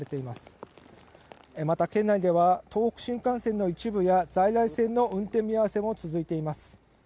また県内では東北新幹線の一部や在来線の運転見合わせも続いています。